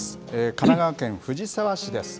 神奈川県藤沢市です。